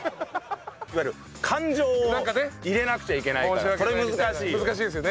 いわゆる感情を入れなくちゃいけないからそれ難しいよ。